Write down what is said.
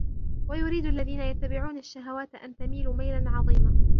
وَيُرِيدُ الَّذِينَ يَتَّبِعُونَ الشَّهَوَاتِ أَنْ تَمِيلُوا مَيْلًا عَظِيمًا